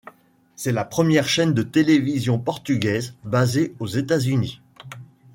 C'est la première chaîne de télévision portugaise basée aux États-Unis.